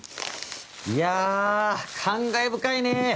いやぁ感慨深いねぇ。